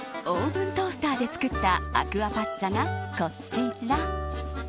オーブントースターで作ったアクアパッツァが、こちら。